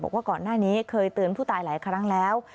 บอกว่าก่อนหน้านี้เคยเตือนผู้ตายหลายครั้งแล้ว